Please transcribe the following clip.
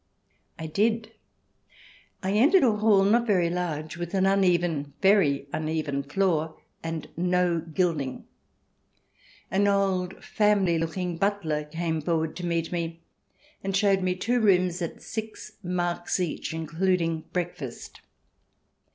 I did. I entered a hall, not very large, with an uneven — very uneven — floor, and no gilding. An old family looking butler came forward to meet me, and showed me two rooms at six marks each, in cluding breakfast.